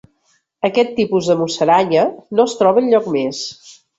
Aquest tipus de musaranya no es troba enlloc més.